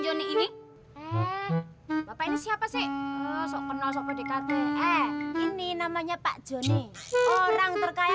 joni ini bapak ini siapa sih soal kenal soal pedikarti eh ini namanya pak joni orang terkaya